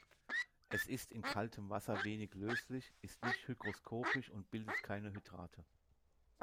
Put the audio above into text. Es ist in kaltem Wasser wenig löslich, ist nicht hygroskopisch und bildet keine Hydrate.